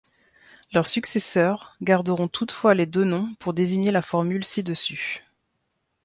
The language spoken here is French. Leurs successeurs garderont toutefois les deux noms pour désigner la formule ci-dessus.